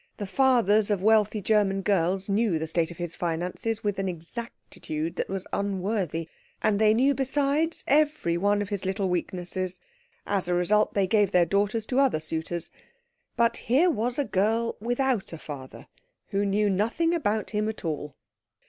The fathers of wealthy German girls knew the state of his finances with an exactitude that was unworthy; and they knew, besides, every one of his little weaknesses. As a result, they gave their daughters to other suitors. But here was a girl without a father, who knew nothing about him at all.